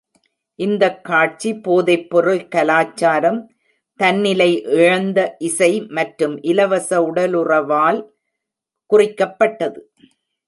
இந்தக் காட்சி போதைப்பொருள் கலாச்சாரம், தன்னிலை இழந்த இசை மற்றும் இலவச உடலுறவால் குறிக்கப்பட்டது.